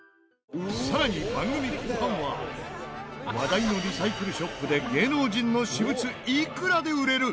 更に番組後半は話題のリサイクルショップで芸能人の私物いくらで売れる？